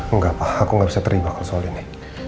enggak pak aku gak bisa terima soal ini